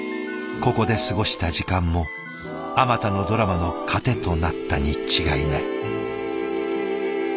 ここで過ごした時間もあまたのドラマの糧となったに違いない。